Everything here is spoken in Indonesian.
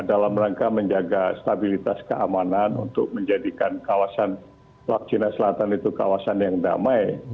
dalam rangka menjaga stabilitas keamanan untuk menjadikan kawasan laut cina selatan itu kawasan yang damai